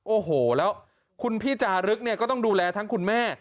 โอ้โหแล้วคุณพี่จารึกเนี่ยก็ต้องดูแลทั้งคุณแม่